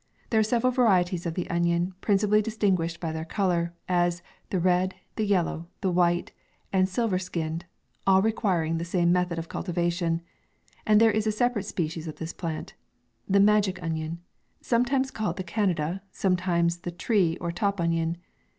There are several varieties of the onion, principally distinguished by their colour ; as, the red, the yellow, the white, and silver skinned, all requiring the same method of cultivation. And there is a separate species of this plant — THE MAGIC ONION, sometimes called the Canada, sometimes the tree, or top onion.